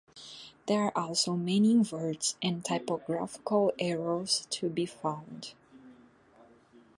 There are also many inverts and typographical errors to be found.